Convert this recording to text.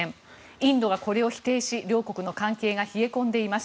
インドがこれを否定し両国の関係が冷え込んでいます。